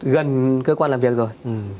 gần cơ quan làm việc rồi